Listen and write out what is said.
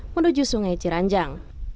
menuju sungai ciranjang